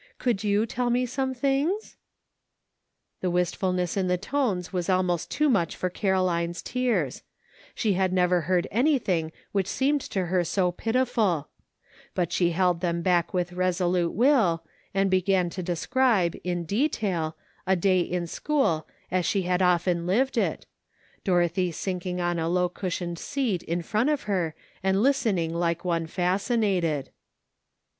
Could you tell me some things ?" The wistfulness in the tones was almost too much for Caroline's tears ; she had never heard anything which seemed to her so pitiful ; but she held them back with resolute will, and began to describe, in detail, a day in school as she had often lived it, Dorothy sinking on a low cushioned seat in front of her and listening like one fascinated.